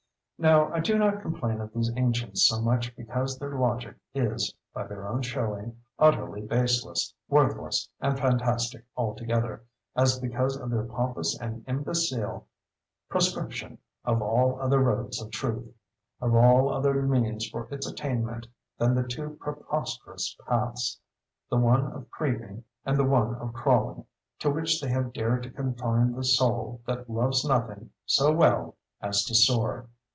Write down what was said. Now I do not complain of these ancients so much because their logic is, by their own showing, utterly baseless, worthless and fantastic altogether, as because of their pompous and imbecile proscription of all other roads of Truth, of all other means for its attainment than the two preposterous paths—the one of creeping and the one of crawling—to which they have dared to confine the Soul that loves nothing so well as to soar.